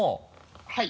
はい。